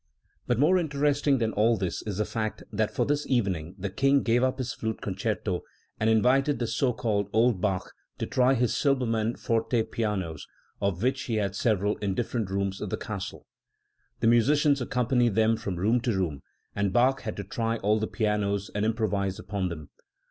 But more interesting than all this is the fact that for this evening the King gave up his flute concerto, and invited the so called "old Bach* 1 to try his Silbermann forte pianos, of which he had several in different rooms of the castle. The musicians accompanied them from room to room, and Bach had to try all the pianos and im provise upon them.